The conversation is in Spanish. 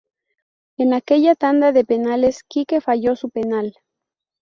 En aquella tanda de penales Kike falló su penal.